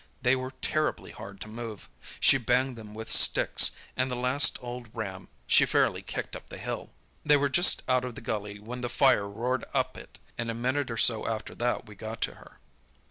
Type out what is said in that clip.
They were terribly hard to move. She banged them with sticks, and the last old ram she fairly kicked up the hill. They were just out of the gully when the fire roared up it, and a minute or so after that we got to her.